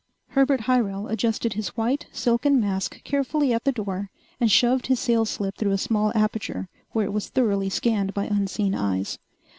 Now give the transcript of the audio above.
Herbert Hyrel adjusted his white, silken mask carefully at the door and shoved his sales slip through a small aperture where it was thoroughly scanned by unseen eyes.